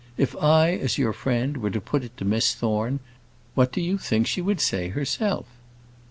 If I, as your friend, were to put it to Miss Thorne, what do you think she would say herself?"